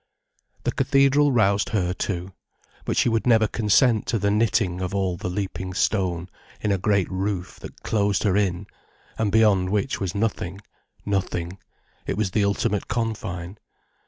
The cathedral roused her too. But she would never consent to the knitting of all the leaping stone in a great roof that closed her in, and beyond which was nothing, nothing, it was the ultimate confine.